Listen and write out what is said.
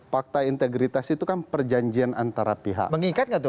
fakta integritas itu kan perjanjian antara pihak